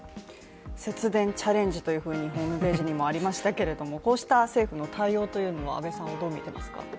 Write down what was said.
節電チャレンジというふうにホームページにありましたけどもこうした政府の対応というのは安部さんはどうみていますか？